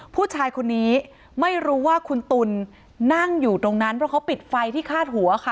ผู้ชายคนนี้ไม่รู้ว่าคุณตุ๋นนั่งอยู่ตรงนั้นเพราะเขาปิดไฟที่คาดหัวค่ะ